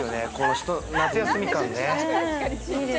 夏休み感ね。